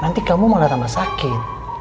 nanti kamu mulai tambah sakit